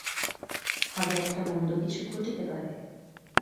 ফলে একটা মন্দ কিছু ঘটিতে পারে।